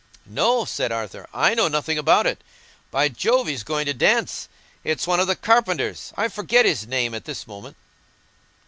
"No," said Arthur; "I know nothing about it. By Jove, he's going to dance! It's one of the carpenters—I forget his name at this moment."